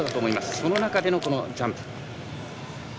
その中でのジャンプ。